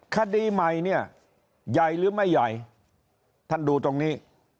คดีใหม่เนี่ยใหญ่หรือไม่ใหญ่ท่านดูตรงนี้